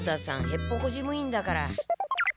へっぽこ事務員だから。